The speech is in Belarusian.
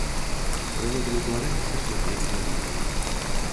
Пры гэтым ўтварыліся шматлікія заторы.